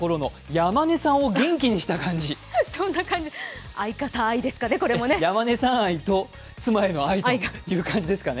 山根さん愛と、妻への愛というような感じですかね。